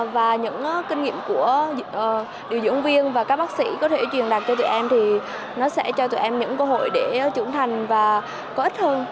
và những kinh nghiệm của điều dưỡng viên và các bác sĩ có thể truyền đạt cho tụi em thì nó sẽ cho tụi em những cơ hội để trưởng thành và có ích hơn